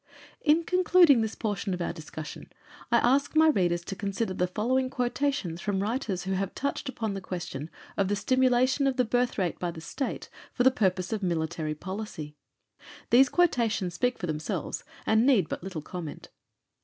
In concluding this portion of our discussion, I ask my readers to consider the following quotations from writers who have touched upon the question of the stimulation of the birth rate by the State, for the purpose of military policy. These quotations speak for themselves, and need but little comment.